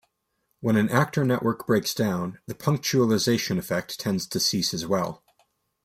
When an actor network breaks down, the punctualisation effect tends to cease as well.